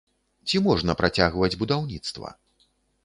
Ці можна працягваць будаўніцтва?